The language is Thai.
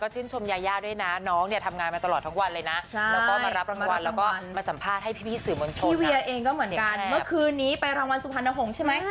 ทำตัวเป็นขั้นฟิลกันทั้งบางเลย